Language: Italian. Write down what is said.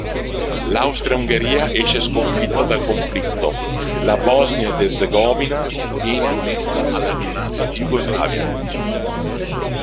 L'Austria-Ungheria esce sconfitta dal conflitto: la Bosnia ed Erzegovina viene annessa alla neonata Jugoslavia.